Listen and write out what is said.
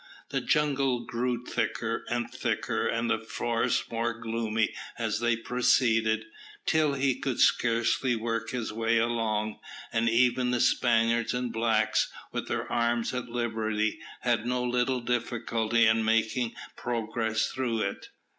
The jungle grew thicker and thicker, and the forest more gloomy as they proceeded, till he could scarcely work his way along, and even the Spaniards and blacks, with their arms at liberty, had no little difficulty in making progress through it.